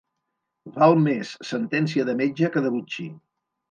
Val més sentència de metge que de botxí.